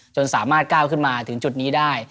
สามารถก้าวขึ้นมาถึงจุดนี้ได้